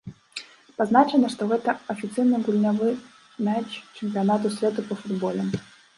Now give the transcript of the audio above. Пазначана, што гэта афіцыйны гульнявы мяч чэмпіянату свету па футболе.